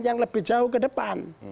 yang lebih jauh ke depan